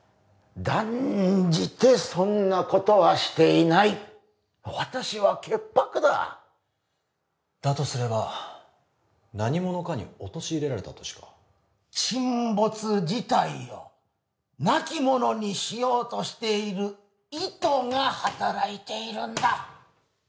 断じてそんなことはしていない私は潔白だだとすれば何者かに陥れられたとしか沈没自体をなきものにしようとしている意図が働いているんだ